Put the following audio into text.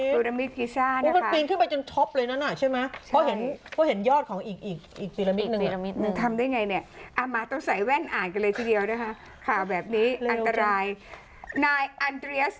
ปีรามิตพรีซ่านะคะมันปีนขึ้นไปจนท็อปเลยนั่นน่ะใช่ไหม